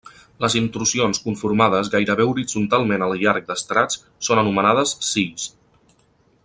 Les intrusions conformades gairebé horitzontalment al llarg d'estrats són anomenades sills.